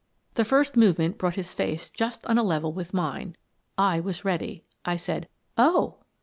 The first movement brought his face just on a level with mine. I was ready. I said: "Oh!"